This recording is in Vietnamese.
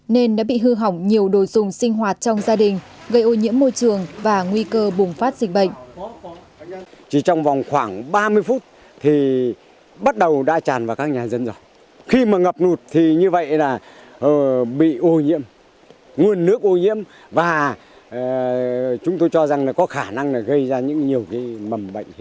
nên đã bị hư hỏng nhiều đồ dùng sinh hoạt trong gia đình gây ô nhiễm môi trường và nguy cơ bùng phát dịch bệnh